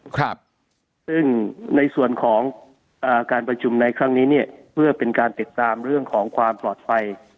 ครับซึ่งในส่วนของอ่าการประชุมในครั้งนี้เนี่ยเพื่อเป็นการติดตามเรื่องของความปลอดภัย